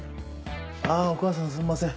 ああお母さんすみません。